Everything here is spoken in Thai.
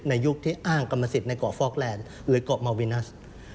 ยุคที่อ้างกรรมสิทธิ์ในเกาะฟอกแลนด์หรือเกาะมาวินัส